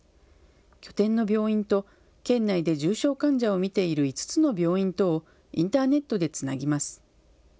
拠点の病院と県内で重症患者を診ている５つの病院とをインターネットでつなぎます。